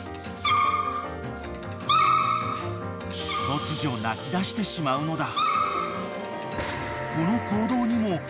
［突如鳴きだしてしまうのだ］